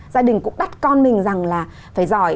gia đình cũng đắt con mình rằng là phải giỏi